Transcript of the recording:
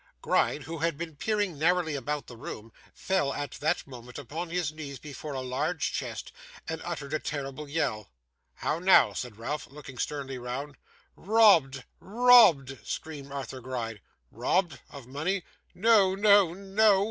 Gride, who had been peering narrowly about the room, fell, at that moment, upon his knees before a large chest, and uttered a terrible yell. 'How now?' said Ralph, looking sternly round. 'Robbed! robbed!' screamed Arthur Gride. 'Robbed! of money?' 'No, no, no.